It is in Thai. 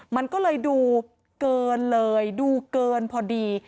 มันก็เลยดูเกินเลยดูเกินพอดี